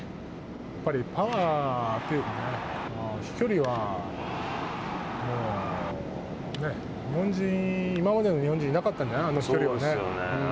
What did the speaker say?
やっぱりパワーというかね、飛距離はもうね、今までの日本人いなかったんじゃない、あの飛距離はね。